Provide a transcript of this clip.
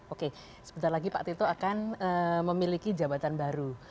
oke sebentar lagi pak tito akan memiliki jabatan baru